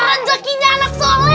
renjakinya anak soleh